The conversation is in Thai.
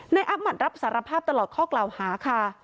อาบัติรับสารภาพตลอดข้อกล่าวหาค่ะ